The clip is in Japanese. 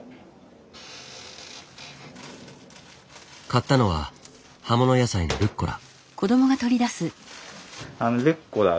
買ったのは葉物野菜のルッコラ。